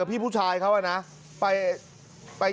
การนอนไม่จำเป็นต้องมีอะไรกัน